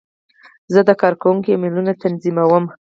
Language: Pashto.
زه د کارکوونکو ایمیلونه تنظیموم.